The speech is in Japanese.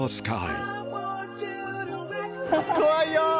・怖いよ！